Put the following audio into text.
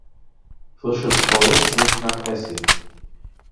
Frisches Holz riecht nach Essig.